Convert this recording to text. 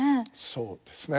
そうですね。